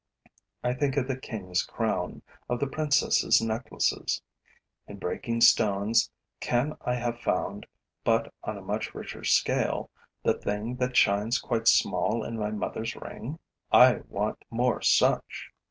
I think of the king's crown, of the princesses' necklaces. In breaking stones, can I have found, but on a much richer scale, the thing that shines quite small in my mother's ring? I want more such.